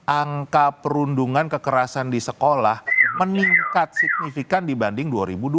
dua ribu dua puluh tiga angka perundungan kekerasan di sekolah meningkat signifikan dibanding dua ribu dua puluh dua